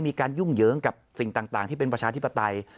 ยุ่งเหยิงกับสิ่งต่างที่เป็นประชาธิปไตย